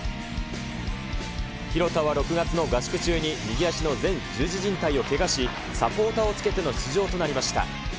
廣田は６月の合宿中に右足の前十字靭帯をけがし、サポーターをつけての出場となりました。